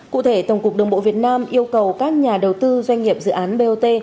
cụ thể tổng cục đường bộ việt nam yêu cầu các nhà đầu tư doanh nghiệp dự án bot